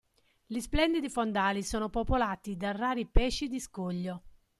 Gli splendidi fondali sono popolati da rari pesci di scoglio.